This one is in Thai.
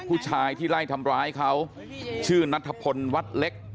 ผู้ชายที่ไล่ทำร้ายเขาชื่อนัทพลวัดเล็ก